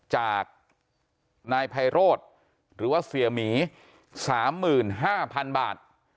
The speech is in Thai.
จากนายไพโรธหรือว่าเสียหมี๓๕๐๐๐บาท